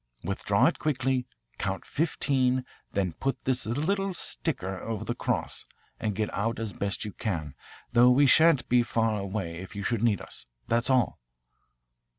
Withdraw it quickly, count fifteen, then put this little sticker over the cross, and get out as best you can, though we shan't be far away if you should need us. That's all."